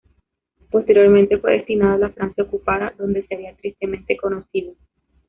Posteriormente fue destinado a la Francia ocupada, donde se haría tristemente conocido.